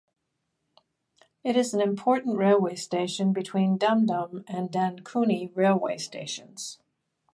It is an important railway station between Dum Dum and Dankuni railway stations.